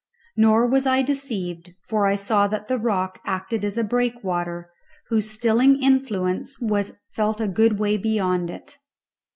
Nor was I deceived, for I saw that the rock acted as a breakwater, whose stilling influence was felt a good way beyond it.